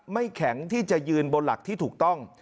ไม่แข็งที่จะยืนบนหลักที่ถูกต้อง